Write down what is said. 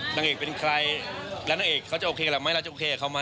นางเอกเป็นใครแล้วนางเอกเขาจะโอเคล่ะไหมเราจะโอเคกับเขาไหม